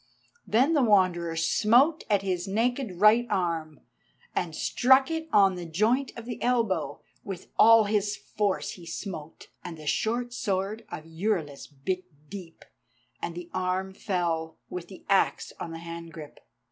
Then the Wanderer smote at his naked right arm, and struck it on the joint of the elbow; with all his force he smote, and the short sword of Euryalus bit deep, and the arm fell, with the axe in the hand grip.